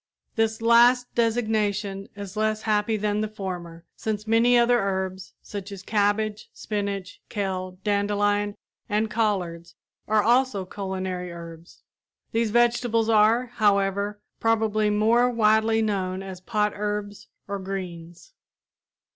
This last designation is less happy than the former, since many other herbs, such as cabbage, spinach, kale, dandelion and collards, are also culinary herbs. These vegetables are, however, probably more widely known as potherbs or greens.